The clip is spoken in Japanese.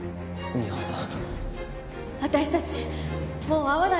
美穂さん。